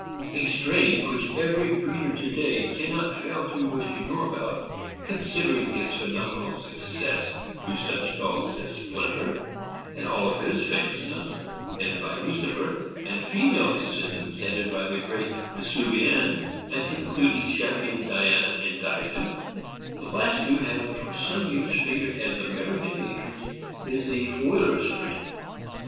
A strain which every breeder to day can not fail to wish to know about, considering its phenomenal success through such dogs as Splinter and all his famous sons, headed by Lucifer, and female descendants, headed by the great Vesuvienne and including Champion Diana and Diadem, the last two having for some years figured as American matrons, is the Foiler strain.